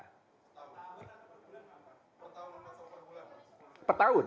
pertahun atau perbulan